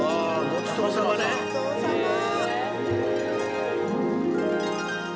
『ごちそうさま』。